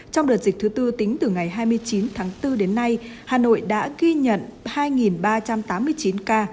trong đợt dịch thứ tư tính từ ngày hai mươi chín tháng bốn đến nay hà nội đã ghi nhận hai ba trăm tám mươi chín ca